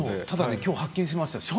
ただ、きょう発見しました。